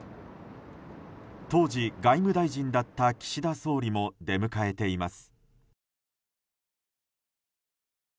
当時、外務大臣だった岸田総理も出迎えています。